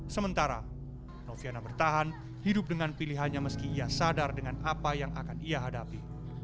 sementara noviana bertahan hidup dengan pilihannya meski ia sadar dengan apa yang akan ia hadapi